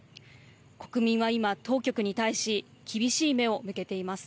国民は今、当局に対し厳しい目を向けています。